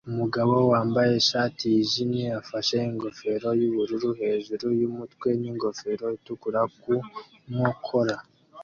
Umugabo wambaye ishati yijimye afashe ingofero yubururu hejuru yumutwe n'ingofero itukura ku nkokora